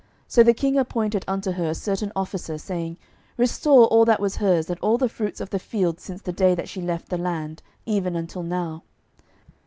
So the king appointed unto her a certain officer, saying, Restore all that was hers, and all the fruits of the field since the day that she left the land, even until now.